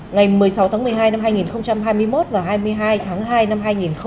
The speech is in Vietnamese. ngày một mươi sáu tháng một mươi hai năm hai nghìn hai mươi một và hai mươi hai tháng hai năm hai nghìn hai mươi bốn